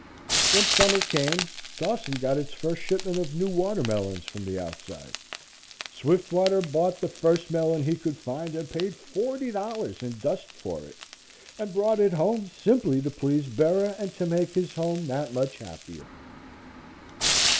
When summer came, Dawson got its first shipment of new watermelons from the outside, Swiftwater bought the first melon he could find and paid $40 in dust for it, and brought it home, simply to please Bera and to make his home that much happier.